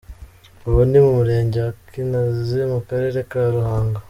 Ubu ni mu Murenge wa Kinazi mu Karere ka Ruhango.